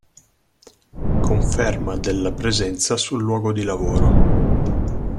Conferma della presenza sul luogo di lavoro.